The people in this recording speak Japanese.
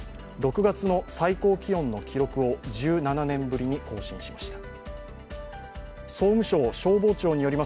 ６月の最高気温の記録を１７年ぶりに更新しました。